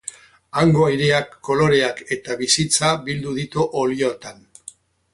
Hango aireak, koloreak eta bizitza bildu ditu oliotan.